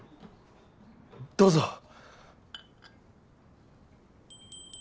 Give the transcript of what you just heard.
どうぞ。